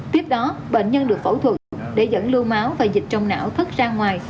tiếp đó bệnh nhân được phẫu thuật để dẫn lưu máu và dịch trong não thất ra ngoài